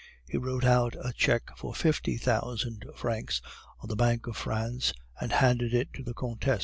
"He wrote out a cheque for fifty thousand francs on the Bank of France, and handed it to the Countess.